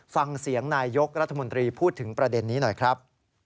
ฟังเสียงนายยกรัฐมนตรีพูดถึงประเด็นนี้หน่อยครับ